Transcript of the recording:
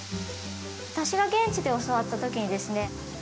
私が現地で教わった時にですね